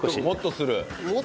もっとする？